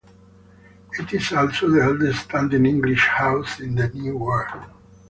It is also the oldest standing English house in the New World.